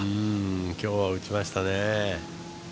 今日は落ちましたね。